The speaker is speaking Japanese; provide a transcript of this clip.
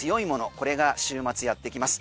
これが週末やっていきます。